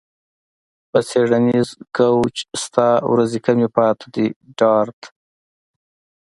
په څیړنیز کوچ ستا ورځې کمې پاتې دي ډارت